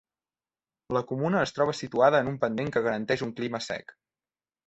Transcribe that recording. La comuna es troba situada en un pendent que garanteix un clima sec.